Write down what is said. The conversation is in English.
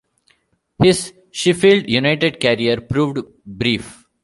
His Sheffield United career proved brief.